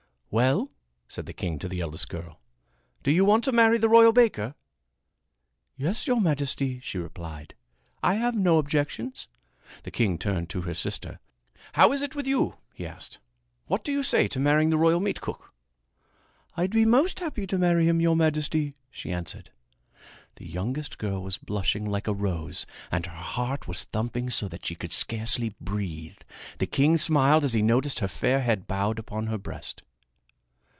"Well," said the king to the eldest girl, "do you want to marry the royal baker?" "Yes, your majesty," she replied. "I have no objections." The king turned to her sister. "How is it with you?" he asked. "What do you say to marrying the royal meatcook?" "I'll be most happy to marry him, your majesty," she answered. The youngest girl was blushing like a rose and her heart was thumping so that she could scarcely breathe. The king smiled as he noticed her fair head bowed upon her breast.